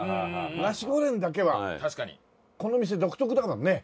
ナシゴレンだけはこの店独特だからね。